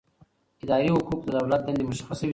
اداري حقوق د دولت دندې مشخصوي.